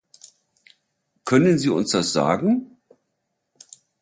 Können Sie uns das sagen?